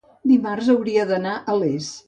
dimarts hauria d'anar a Les.